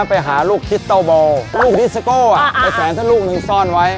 ไปหาลูกทิศโตโบลูกทิศโก้อ่ะอ่าแต่แสงเท่าลูกหนึ่งซ่อนไว้